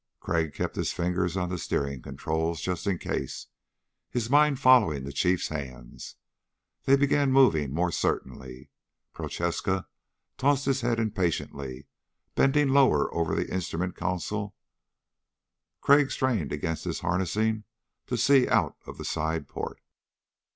Crag kept his fingers on the steering controls just in case, his mind following the Chief's hands. They began moving more certainly. Prochaska tossed his head impatiently, bending lower over the instrument console. Crag strained against his harnessing to see out of the side port.